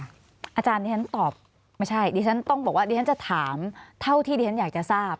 อาจารย์ที่ฉันตอบไม่ใช่ดิฉันต้องบอกว่าดิฉันจะถามเท่าที่ดิฉันอยากจะทราบ